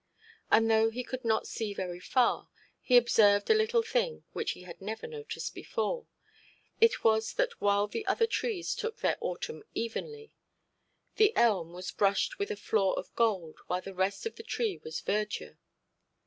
And though he could not see very far, he observed a little thing which he had never noticed before. It was that while the other trees took their autumn evenly, the elm was brushed with a flaw of gold while the rest of the tree was verdure.